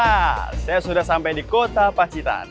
nah saya sudah sampai di kota pacitan